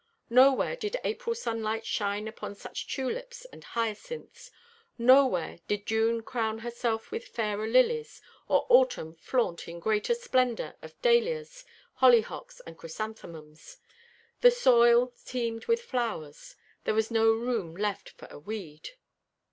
Nowhere did April sunlight shine upon such tulips and hyacinths, nowhere did June crown herself with fairer lilies, or autumn flaunt in greater splendour of dahlias, hollyhocks, and chrysanthemums. The soil teemed with flowers. There was no room left for a weed.